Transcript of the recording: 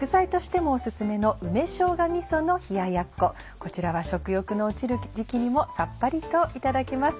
こちらは食欲の落ちる時期にもさっぱりといただけます。